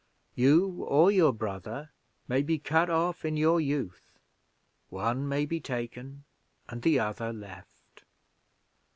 You or your brother may be cut off in your youth; one may be taken, and the other left.